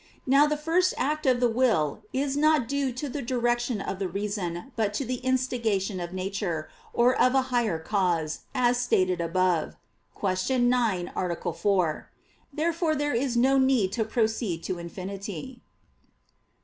Now the first act of the will is not due to the direction of the reason but to the instigation of nature, or of a higher cause, as stated above (Q. 9, A. 4). Therefore there is no need to proceed to infinity.